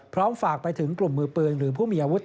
ฝากไปถึงกลุ่มมือปืนหรือผู้มีอาวุธ